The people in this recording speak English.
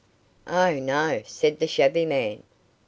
"Oh, no," said the shabby man.